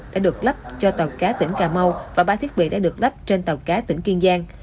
đã được lắp cho tàu cá tỉnh cà mau và ba thiết bị đã được đắp trên tàu cá tỉnh kiên giang